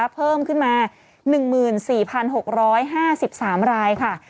เพิ่มขึ้นมา๑๔๖๕๓รายค่ะ